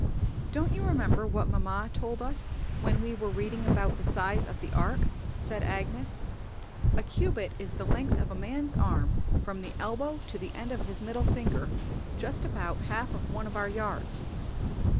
"Don't you remember what mamma told us when we were reading about the size of the Ark?" said Agnes. "A cubit is the length of a man's arm from the elbow to the end of his middle finger, just about half of one of our yards."